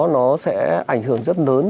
nó sẽ ảnh hưởng rất lớn